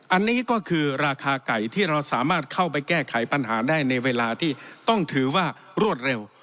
อันนี้ก็คือราคาไก่ที่เราสามารถเข้าไปแก้ไขปัญหาได้ในเวลาที่ต้องถือว่ารวดเร็ว